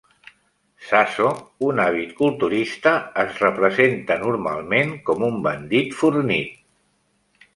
Zaso, un àvid culturista, es representa normalment com un bandit fornit.